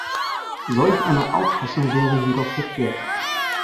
Solch eine Auffassung wäre jedoch verkehrt.